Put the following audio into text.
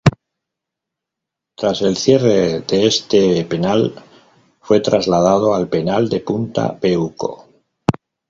Tras el cierre de este penal, fue trasladado al Penal de Punta Peuco.